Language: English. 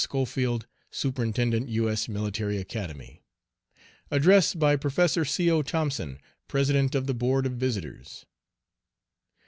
SCHOFIELD, Superintendent U. S. Military Academy. ADDRESS BY PROFESSOR C. O. THOMPSON, President of the Board of Visitors.